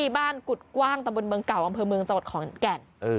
บ้านกุฎกว้างตะบนเมืองเก่าอำเภอเมืองจังหวัดขอนแก่น